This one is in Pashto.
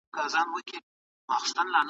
تاسو کله د خوشحال خان شعرونه لوستي دي؟